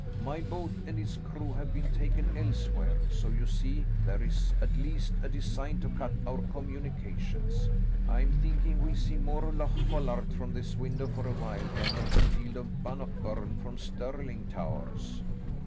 My boat and its crew have been taken elsewhere. So you see there is at least a design to cut our communications. I'm thinking we'll see more of Loch Follart from this window for a while than of the field of Bannockburn from Stirling Towers."